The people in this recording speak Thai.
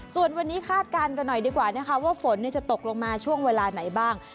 ส่วนวันนี้คาดการณ์กันหน่อยดีกว่านะคะว่าฝนจะตกลงมาช่วงเวลาไหนบ้าง